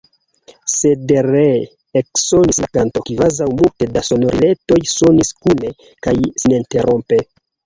Sed ree eksonis la kanto, kvazaŭ multe da sonoriletoj sonis kune kaj seninterrompe.